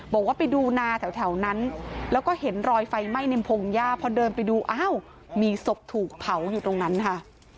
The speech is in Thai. บอกว่าไปดูนาแถวนั้นแล้วก็เห็นรอยไฟไหม้ในพงหญ้าพอเดินไปดูอ้าวมีศพถูกเผาอยู่ตรงนั้นค่ะ